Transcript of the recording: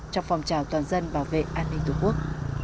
trong phòng trào toàn dân bảo vệ an ninh tổ quốc